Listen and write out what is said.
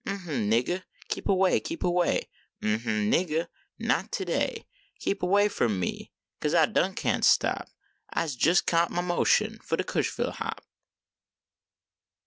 Um hm, niggah, keep away, keep away ! Um hm, niggah, not ter day ! Keep away from me kase I done kain t stop : Ise jes caught mah motion fo de Cushville hop.